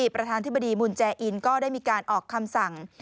ประธานธิบดีมูลแจอินก็ได้มีการออกคำสั่ง